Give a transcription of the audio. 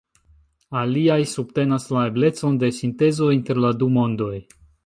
Aliaj subtenas la eblecon de sintezo inter la du mondoj.